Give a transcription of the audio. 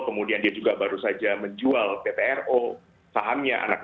kemudian dia juga baru saja menjual ptro sahamnya